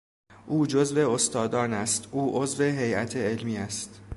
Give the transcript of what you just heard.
او جزو استادان است، او عضو هیات علمی است.